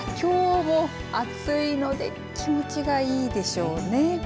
きょうも暑いので気持ちがいいでしょうね。